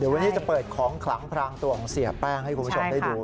วันนี้จะเปิดของขลังพรางตัวของเสียแป้งให้คุณผู้ชมได้ดู